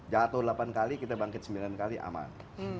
jatuh delapan kali kita bangkit sembilan kali aman